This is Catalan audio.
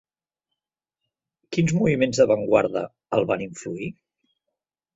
Quins moviments d'avantguarda el van influir?